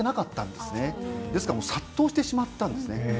ですから殺到してしまったんです。